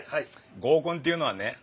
合コンっていうのはね